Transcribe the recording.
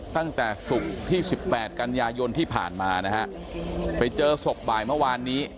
ตั้งแต่ศุกร์ที่สิบแปดกันยายนที่ผ่านมานะฮะไปเจอศพบ่ายเมื่อวานนี้